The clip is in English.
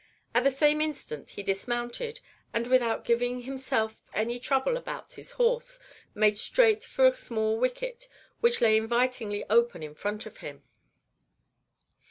At the same instant he dismounted, and, without giving himself any trouble about his horse, made straight for a small wicket which lay invitingly open in front of him.